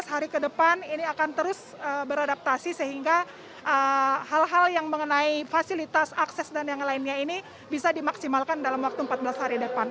empat belas hari ke depan ini akan terus beradaptasi sehingga hal hal yang mengenai fasilitas akses dan yang lainnya ini bisa dimaksimalkan dalam waktu empat belas hari depan